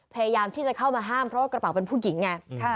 พยายามที่จะเข้ามาห้ามเพราะว่ากระเป๋าเป็นผู้หญิงไง